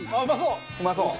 うまそう。